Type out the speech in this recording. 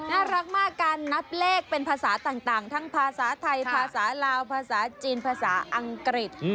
น่ารักมากการนับเลขเป็นภาษาต่างทั้งภาษาไทยภาษาลาวภาษาจีนภาษาอังกฤษ